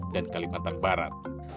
dan kalimantan barat